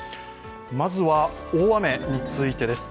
まずは、大雨についてです。